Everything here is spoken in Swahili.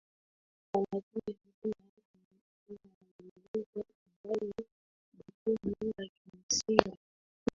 Walakini hakuna hata mmoja anayeweza kudai jukumu la kimsingi